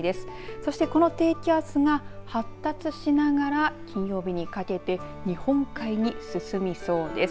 そして、この低気圧が発達しながら金曜日にかけて日本海に進みそうです。